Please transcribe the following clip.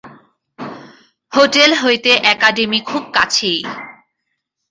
Hotel হইতে academy খুব কাছেই।